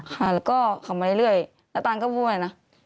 ค่ะแล้วก็ขับมาเรื่อยแล้วตานก็ว่ยนะ